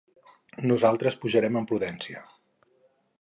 Nosaltres pujarem amb prudència.